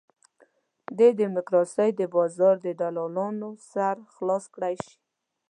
د ډیموکراسۍ د بازار دلالانو سر خلاص کړای شي.